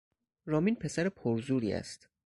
رامین پسر پرزوری است.